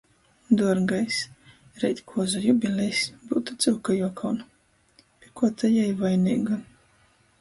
Duorgais, reit kuozu jubilejs, byutu cyuka juokaun... Pi kuo ta jei vaineiga?